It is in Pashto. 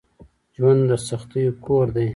ژوند دسختیو کور دی